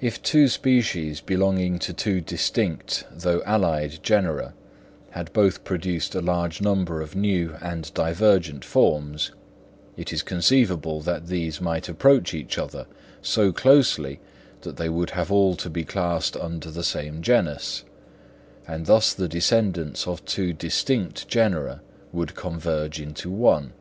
If two species belonging to two distinct though allied genera, had both produced a large number of new and divergent forms, it is conceivable that these might approach each other so closely that they would have all to be classed under the same genus; and thus the descendants of two distinct genera would converge into one.